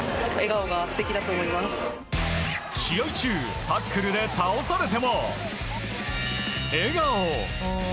試合中、タックルで倒されても笑顔。